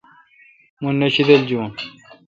مہ نہ شیدل جوُن۔